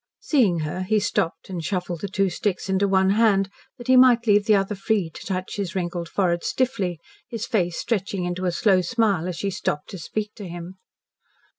Seeing her, he stopped and shuffled the two sticks into one hand that he might leave the other free to touch his wrinkled forehead stiffly, his face stretching into a slow smile as she stopped to speak to him.